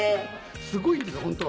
すごいんですよホントは。